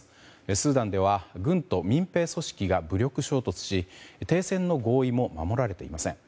スーダンでは軍と民兵組織が武力衝突し停戦の合意も守られていません。